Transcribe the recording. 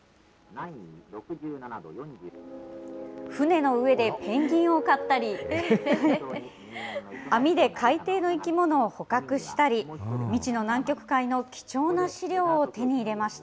船の上でペンギンを飼ったり、網で海底の生き物を捕獲したり、未知の南極海の貴重な資料を手に入れました。